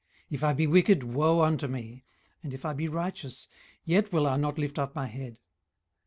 18:010:015 If I be wicked, woe unto me; and if I be righteous, yet will I not lift up my head.